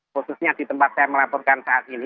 khususnya di tempat saya melaporkan saat ini